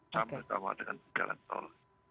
sama sama dengan jalan tol